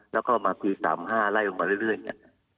แล้วก็มาปี๓๕ไล่ลงมาเรื่อยเนี่ย